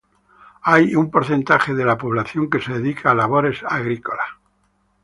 Hay un porcentaje de la población que se dedica a labores agrícola.